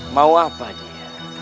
mau apa dia